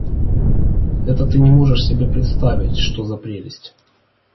Это ты не можешь себе представить, что за прелесть!